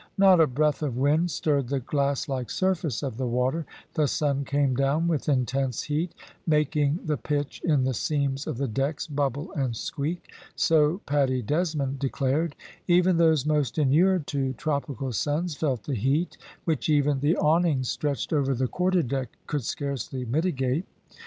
Not a breath of wind stirred the glass like surface of the water; the sun came down with intense heat, making the pitch in the seams of the decks bubble and squeak, so Paddy Desmond declared; even those most inured to tropical suns felt the heat, which even the awnings stretched over the quarterdeck could scarcely mitigate.